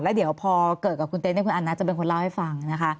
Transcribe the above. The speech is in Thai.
แล้วเดี๋ยวพอเกิดกับคุณเต้นแล้วคุณอันน่าจะเป็นคนเล่าให้ฟัง